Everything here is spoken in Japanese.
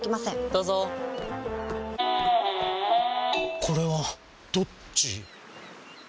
どうぞこれはどっち？